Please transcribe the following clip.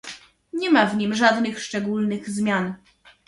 Nie ma w nim żadnych szczególnych zmian